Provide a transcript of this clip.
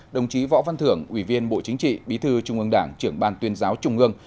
đồng chí võ văn thưởng ủy viên bộ chính trị bí thư trung ương đảng trưởng ban tuyên giáo trung ương